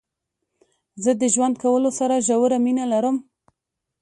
زه د ژوند کولو سره ژوره مينه لرم.